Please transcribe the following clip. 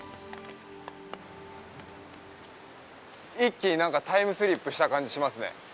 一気になんかタイムスリップした感じしますね。